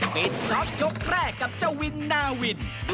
จ๊อปยกแรกกับเจ้าวินนาวิน